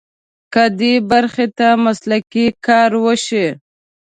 که دې برخې ته مسلکي کار وشي.